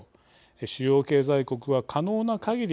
主要経済国は可能なかぎり